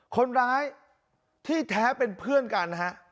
คนร้ายที่แท้เป็นเพื่อนกันฮะ